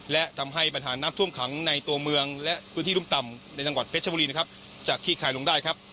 และทำให้ปัญหาน้ำท่วมขังในตัวเมืองและพื้นที่รุ่มต่ำในจังหวัดเพชรบุรีนะครับจะขี้คลายลงได้ครับ